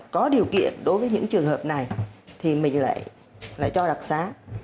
có điều kiện đối với những trường hợp này thì mình lại cho đặc xá